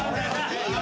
いいよ